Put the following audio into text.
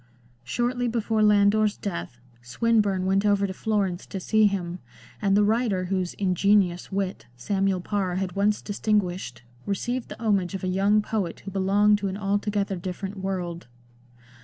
Shortly before Lander's death Swinburne went over to Florence to see him, and the writer whose " ingenious " wit Samuel Parr had once distinguished received the homage of a young poet who belonged to an altogether different world.